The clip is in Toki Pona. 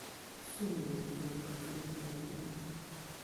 sona ni li weka tan lawa mi.